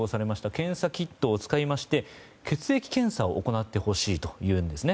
検査キットを使いまして血液検査を行ってほしいというんですね。